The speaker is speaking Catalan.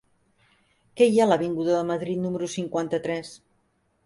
Què hi ha a l'avinguda de Madrid número cinquanta-tres?